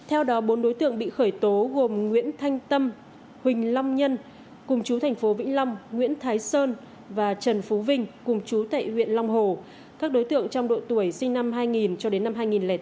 theo đó bốn đối tượng bị khởi tố gồm nguyễn thanh tâm huỳnh long nhân cùng chú thành phố vĩnh long nguyễn thái sơn và trần phú vinh cùng chú tại huyện long hồ các đối tượng trong độ tuổi sinh năm hai nghìn cho đến năm hai nghìn tám